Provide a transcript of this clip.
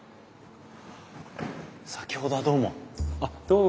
先ほどはどうも。